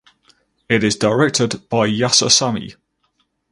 It is directed by Yasser Sami.